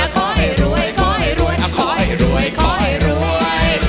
ขอให้รวยขอให้รวยขอให้รวยขอให้รวย